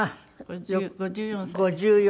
５４？